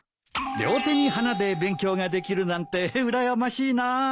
両手に花で勉強ができるなんてうらやましいなあ。